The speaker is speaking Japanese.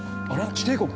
地底国か？